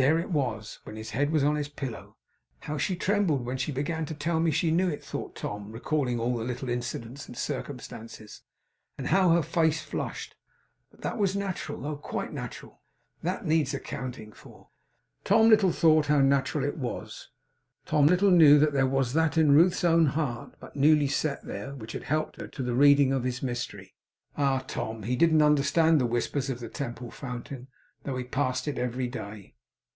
There it was, when his head was on his pillow. 'How she trembled when she began to tell me she knew it!' thought Tom, recalling all the little incidents and circumstances; 'and how her face flushed! But that was natural! Oh, quite natural! That needs no accounting for.' Tom little thought how natural it was. Tom little knew that there was that in Ruth's own heart, but newly set there, which had helped her to the reading of his mystery. Ah, Tom! He didn't understand the whispers of the Temple Fountain, though he passed it every day.